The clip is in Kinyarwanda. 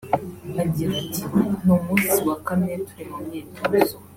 Agira ati“ Ni umunsi wa kane turi mu myitozo